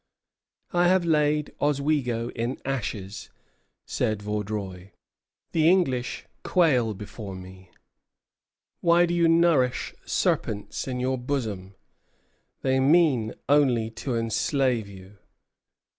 "I have laid Oswego in ashes," said Vaudreuil; "the English quail before me. Why do you nourish serpents in your bosom? They mean only to enslave you."